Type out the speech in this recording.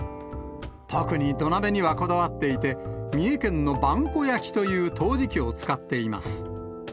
特に土鍋にはこだわっていて、三重県の萬古焼という陶磁器を使っています。